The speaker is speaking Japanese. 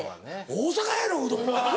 大阪やろうどんは！